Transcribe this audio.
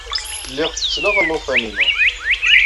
Lliɣ ttettleɣ alufan-inu.